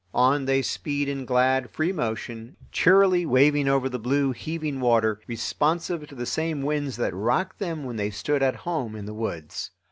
On they speed in glad, free motion, cheerily waving over the blue, heaving water, responsive to the same winds that rocked them when they stood at home in the woods.